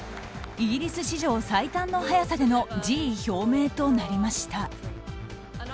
イギリス史上最短の速さでの辞意表明となりました。